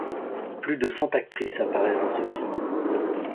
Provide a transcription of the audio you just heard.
Plus de cent actrices apparaissent dans ce film.